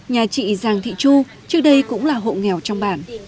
nhà chị giàng thị chu trước đây cũng là hộ nghèo trong bản